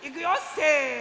せの！